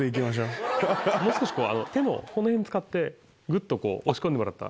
もう少し手のこの辺使ってグっとこう押し込んでもらったら。